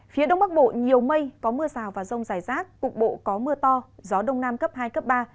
phía đông bắc bộ nhiều mây có mưa rào và rông rải rác cục bộ có mưa to gió đông nam cấp hai cấp ba